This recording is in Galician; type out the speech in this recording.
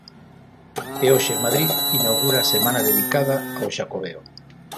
E hoxe Madrid inaugura a semana dedicada ao Xacobeo.